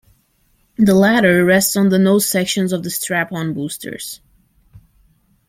The latter rests on the nose sections of the strap-on boosters.